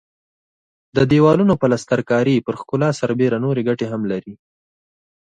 د دېوالونو پلستر کاري پر ښکلا سربېره نورې ګټې هم لري.